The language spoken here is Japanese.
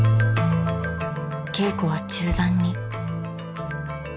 稽古は中断に。